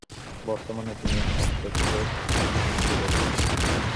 বর্তমানে তিনি সাসেক্সের প্রতিনিধিত্ব করছেন।